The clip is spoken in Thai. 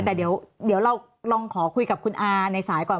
แต่เดี๋ยวเราลองขอคุยกับคุณอาในสายก่อน